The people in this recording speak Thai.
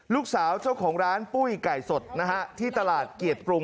ลูกสาวเจ้าของร้านปุ้ยไก่สดนะฮะที่ตลาดเกียรติปรุง